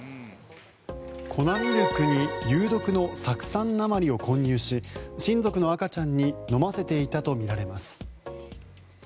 粉ミルクに有毒の酢酸鉛を混入し親族の赤ちゃんに飲ませていたとみられます。